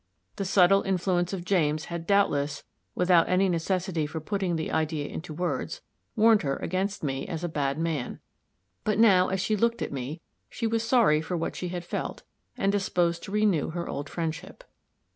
The subtle influence of James had doubtless, without any necessity for putting the idea into words, warned her against me as a bad man; but now as she looked at me, she was sorry for what she had felt, and disposed to renew her old friendship.